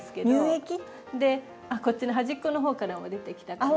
こっちの端っこの方からも出てきたかな。